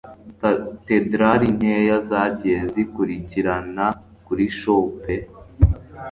Katedrali nkeya zagiye zikurikirana kuri show pe